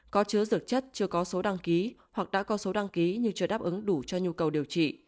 có chứa dược chất chưa có số đăng ký hoặc đã có số đăng ký nhưng chưa đáp ứng đủ cho nhu cầu điều trị